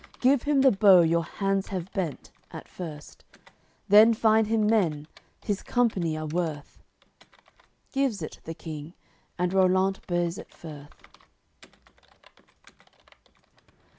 Give him the bow your hands have bent, at first; Then find him men, his company are worth." Gives it, the King, and Rollant bears it furth.